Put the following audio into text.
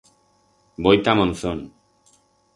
Voi ta Monzón.